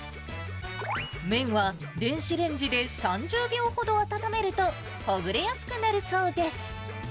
麺は電子レンジで３０秒ほど温めると、ほぐれやすくなるそうです。